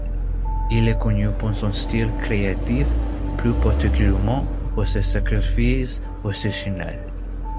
Il est connu pour son style créatif, plus particulièrement pour ses sacrifices positionnels.